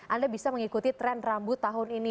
anda bisa mengikuti tren rambut tahun ini